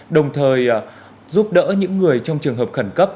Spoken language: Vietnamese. đồng thời giúp đỡ những người trong trường hợp khẩn cấp